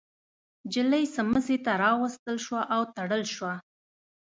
نجلۍ سمڅې ته راوستل شوه او تړل شوه.